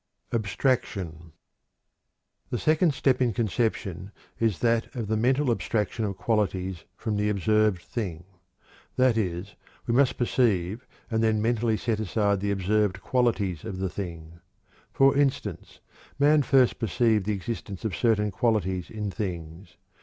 ABSTRACTION. The second step in conception is that of the mental abstraction of qualities from the observed thing. That is, we must perceive and then mentally set aside the observed qualities of the thing. For instance, man first perceived the existence of certain qualities in things.